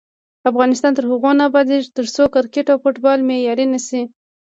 افغانستان تر هغو نه ابادیږي، ترڅو کرکټ او فوټبال معیاري نشي.